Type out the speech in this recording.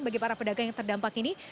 bagi para pedagang yang terdampak ini